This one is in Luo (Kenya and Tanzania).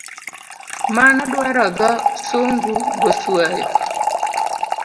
Mano dwaro tho sungu goswayo